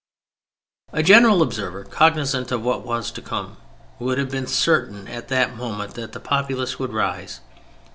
A general observer, cognizant of what was to come, would have been certain at that moment that the populace would rise.